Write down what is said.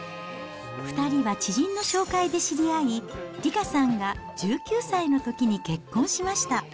２人は知人の紹介で知り合い、理佳さんが１９歳のときに結婚しました。